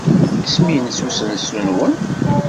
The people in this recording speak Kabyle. Isem-nnes usensu-nwen?